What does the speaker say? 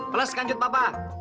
pelas kanjut papa